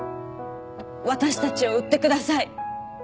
私たちを売ってください